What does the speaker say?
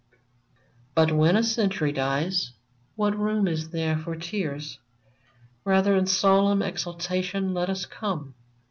But when a Century dies, what room is there for tears ? Rather in solemn exaltation let us come.